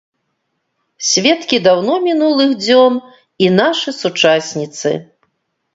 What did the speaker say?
Сведкі даўно мінулых дзён і нашы сучасніцы.